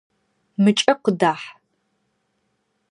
Мыкӏэ къыдахь!